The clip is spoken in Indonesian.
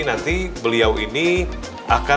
nanti beliau ini akan